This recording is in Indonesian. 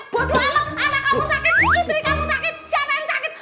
bodoh alam anak kamu sakit istri kamu sakit siapa yang sakit